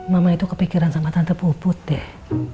mama itu kepikiran sama tante puput deh